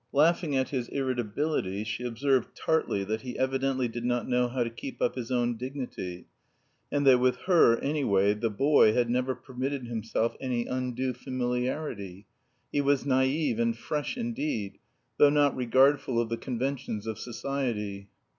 Laughing at his irritability she observed tartly that he evidently did not know how to keep up his own dignity; and that with her, anyway, "the boy" had never permitted himself any undue familiarity, "he was naïve and fresh indeed, though not regardful of the conventions of society."